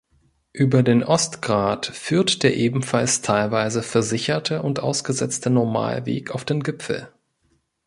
Über den Ostgrat führt der ebenfalls teilweise versicherte und ausgesetzte Normalweg auf den Gipfel.